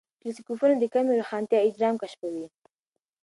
ټیلېسکوپونه د کمې روښانتیا اجرام کشفوي.